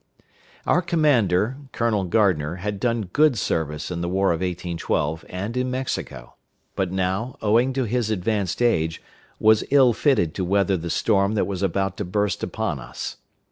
Our commander, Colonel Gardner, had done good service in the War of 1812 and in Mexico; but now, owing to his advanced age, was ill fitted to weather the storm that was about to burst upon us.